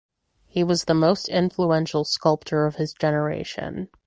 He was the most influential sculptor of his generation.